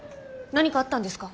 何かあったんですか？